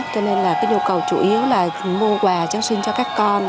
cho nên là cái nhu cầu chủ yếu là mua quà trang trí cho các con